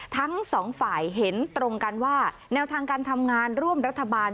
ทั้งสองฝ่ายเห็นตรงกันว่าแนวทางการทำงานร่วมรัฐบาล